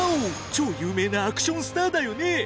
超有名なアクションスターだよね！